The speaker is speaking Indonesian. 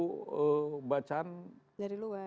bukan buku bacaan dari luar